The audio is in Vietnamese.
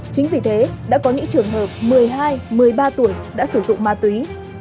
chính vì thế đã có những trường hợp một mươi hai một mươi ba tuổi đã sử dụng ma túy